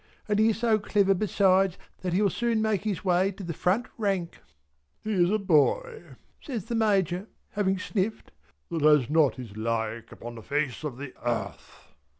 And he is so clever besides that he'll soon make his way to the front rank." "He is a boy" says the Major having sniffed "that has not his like on the face of the earth."